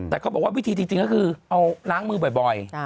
แต่เขาบอกว่าวิธีจริงก็คือเอาล้างมือบ่อย